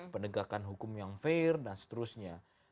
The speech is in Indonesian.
penegakan hukum yang fair dan seterusnya